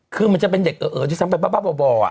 คือมันจะเป็นเด็กเอ๋อที่ซ้ำไปบ้าบ่ออ่ะ